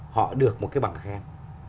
họ được một cái bằng khen